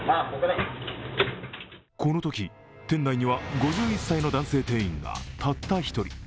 このとき、店内には５１歳の男性店員がたった１人。